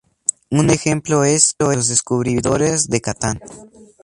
Un ejemplo es "Los Descubridores de Catán".